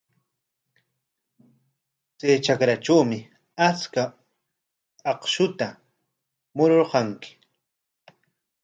Chay trakratrawmi achka akshuta mururqanki.